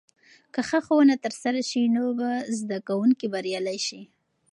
که ښه ښوونه ترسره سي، نو به زده کونکي بريالي سي.